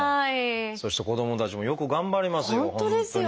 そして子どもたちもよく頑張りますよ